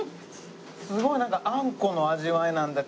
すごいなんかあんこの味わいなんだけど。